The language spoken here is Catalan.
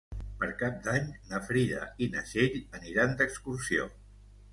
Per Cap d'Any na Frida i na Txell aniran d'excursió.